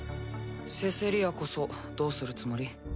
セセリアこそどうするつもり？